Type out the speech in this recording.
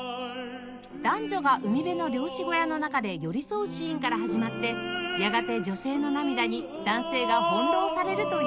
男女が海辺の漁師小屋の中で寄り添うシーンから始まってやがて女性の涙に男性が翻弄されるという詩です